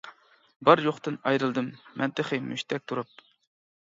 بار يوقتىن ئايرىلدىم مەن تېخى مۇشتەك تۇرۇپ.